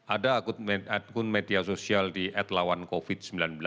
ada akun media sosial di atlawan covid sembilan belas